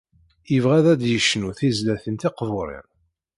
Yebɣa ad d-yecnu tizlatin tiqburin.